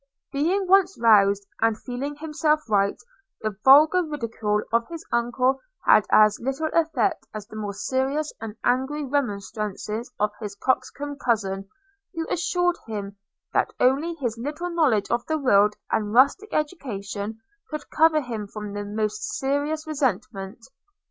Being once roused, and feeling himself right, the vulgar ridicule of his uncle had as little effect as the more serious and angry remonstrance of his coxcomb cousin, who assured him, that only his little knowledge of the world, and rustic education, could cover him from the most serious resentment.